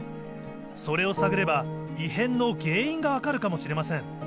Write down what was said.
それを探れば異変の原因がわかるかもしれません。